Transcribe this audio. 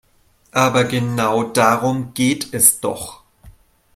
Aber genau darum geht es doch.